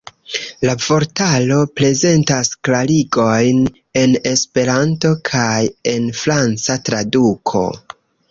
La vortaro prezentas klarigojn en Esperanto kaj en franca traduko.